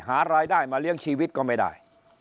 หารายได้มาเลี้ยงชีวิตก็ไม่ได้